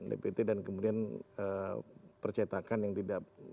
dpt dan kemudian percetakan yang tidak